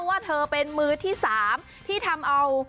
ว่าเธอเป็นมือที่๓ที่ทำเอา